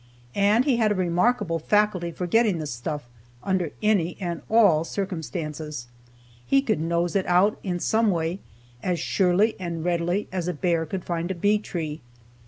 And he had a remarkable faculty for getting the stuff, under any and all circumstances. He could nose it out, in some way, as surely and readily as a bear could find a bee tree.